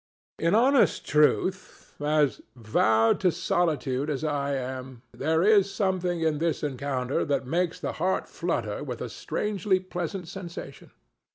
In honest truth, vowed to solitude as I am, there is something in this encounter that makes the heart flutter with a strangely pleasant sensation.